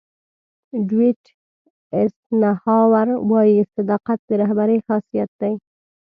ډیوېټ ایسنهاور وایي صداقت د رهبرۍ خاصیت دی.